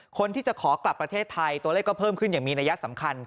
คนที่จะขอกลับประเทศไทยตัวเลขก็เพิ่มขึ้นอย่างมีนัยสำคัญ